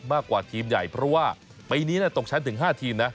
มากกว่าทีมใหญ่เพราะว่าปีนี้ตกชั้นถึง๕ทีมนะ